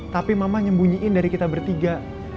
tapi mama nyembunyiin dari kita bertiga